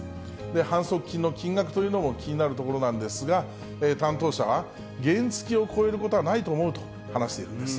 反則金の金額というのも気になるところなんですが、担当者は、原付きを超えることはないと思うと話しているんです。